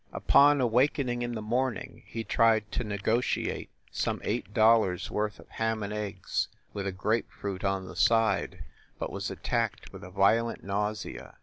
Upon awakening in the morning he tried to negotiate some eight dollars worth of ham and eggs, with a grape fruit on the side, but was attacked with a violent nausea.